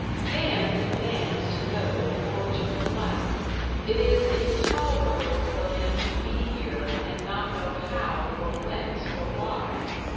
Man demands to know the origin of life; it is intolerable for him to be here, and not know how, or whence, or why.